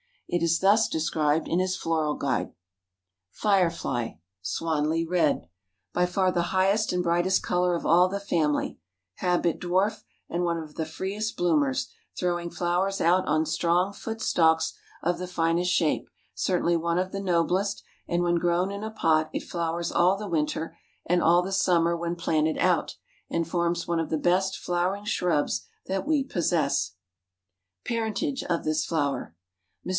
It is thus described in his Floral Guide: FIREFLY (Swanley Red). By far the highest and brightest color of all the family; habit dwarf, and one of the freest bloomers, throwing flowers out on strong foot stalks of the finest shape; certainly one of the noblest, and when grown in a pot it flowers all the winter, and all the summer when planted out, and forms one of the best flowering shrubs that we possess. PARENTAGE OF THIS FLOWER. Mr.